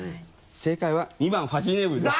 正解は２番ファジーネーブルです。